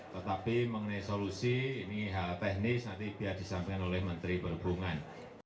tetapi mengenai solusi ini hal teknis nanti biar disampaikan oleh menteri perhubungan